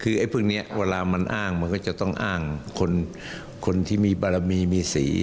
คือไอ้พวกนี้เวลามันอ้างมันก็จะต้องอ้างคนที่มีบารมีมีสี